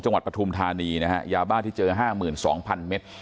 จังหวัดปฐุมธานีนะฮะยาบ้าที่เจอห้ามื่นสองพันเมตร